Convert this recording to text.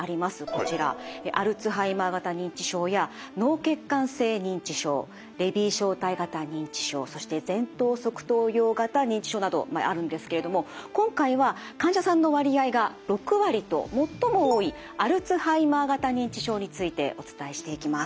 こちらアルツハイマー型認知症や脳血管性認知症レビー小体型認知症そして前頭側頭葉型認知症などあるんですけれども今回は患者さんの割合が６割と最も多いアルツハイマー型認知症についてお伝えしていきます。